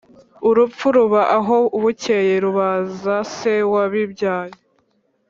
urupfu ruba aho, bukeye rubaza se wabibyaye,